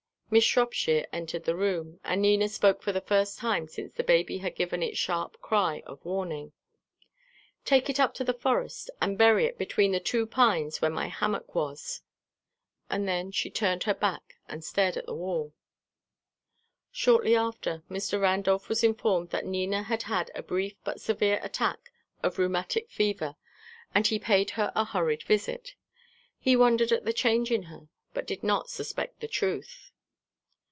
Miss Shropshire entered the room, and Nina spoke for the first time since the baby had given its sharp cry of warning. "Take it up into the forest, and bury it between the two pines where my hammock was." And then she turned her back and stared at the wall. Shortly after, Mr. Randolph was informed that Nina had had a brief but severe attack of rheumatic fever, and he paid her a hurried visit. He wondered at the change in her, but did not suspect the truth.